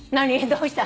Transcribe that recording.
どうした？